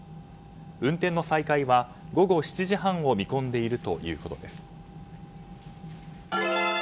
運転の再開は午後７時半を見込んでいるということです。